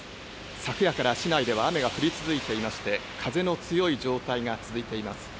昨夜から市内では雨が降り続いていまして、風の強い状態が続いています。